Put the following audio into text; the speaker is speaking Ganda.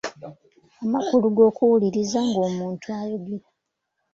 Amakulu g’okuwuliriza nga omuntu ayogera.